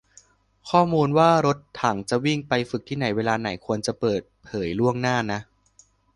ข้อมูลว่ารถถังจะวิ่งไปฝึกที่ไหนเวลาไหน ควรจะเปิดเผยล่วงหน้านะ